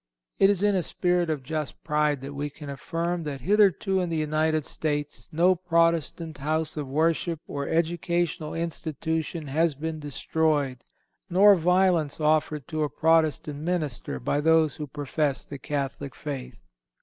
It is in a spirit of just pride that we can affirm that hitherto in the United States no Protestant house of worship or educational institution has been destroyed, nor violence offered to a Protestant minister by those who profess the Catholic faith.